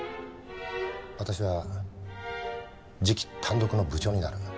私は次期単独の部長になる。